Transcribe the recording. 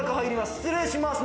失礼します。